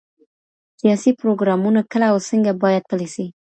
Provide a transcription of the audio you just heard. سياسي پروګرامونه کله او څنګه بايد پلي سي؟